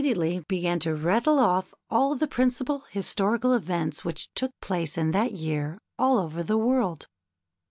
ately began to rattle off all the principal historical events which took place in that year all over the world.